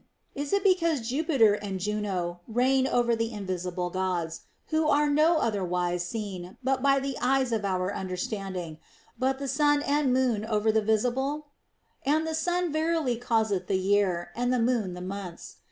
Is it because Jupiter and Juno reign over the * From Sophocles, Frag. 786. THE ROMAN QUESTIONS. 245 invisible Gods, who are no otherwise seen but by the eyes of oul' understanding, but the Sun and Moon over the visible ? And the Sun verily causeth the year, and the Moon the months.